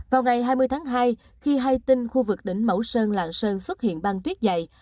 vào ngày hai mươi tháng hai khi hay tin khu vực đỉnh mấu sơn làng sơn xuất hiện băng tuyết dày